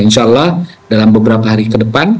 insya allah dalam beberapa hari ke depan